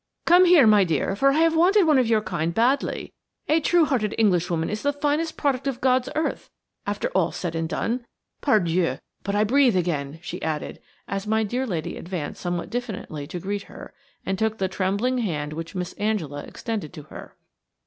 "Come here, my dear, for I have wanted one of your kind badly. A true hearted Englishwoman is the finest product of God's earth, after all's said and done. Pardieu! but I breathe again," she added, as my dear lady advanced somewhat diffidently to greet her, and took the trembling hand which Miss Angela extended to her.